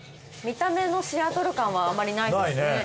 見た目のシアトル感はあまりないですね。